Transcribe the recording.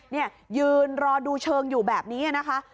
นี่ยืนรอดูเชิงอยู่แบบนี้นะคะ